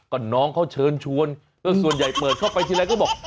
ก็น้องเขาเชิญชวนส่วนใหญ่เปิดเข้าไปทีไรก็บอก